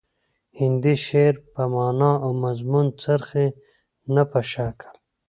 هندي شعر په معنا او مضمون څرخي نه په شکل